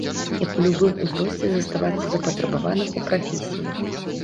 Як у любым узросце заставацца запатрабаваным у прафесіі.